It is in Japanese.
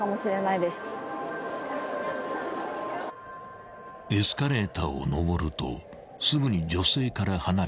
［エスカレーターを上るとすぐに女性から離れた男］